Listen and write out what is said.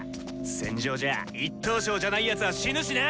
戦場じゃ１等賞じゃないやつは死ぬしな！